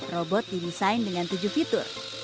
robot di desain dengan tujuh fitur